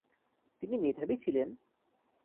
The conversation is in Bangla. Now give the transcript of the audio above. তিনি মেধাবী ছিলেন।